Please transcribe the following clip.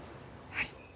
はい。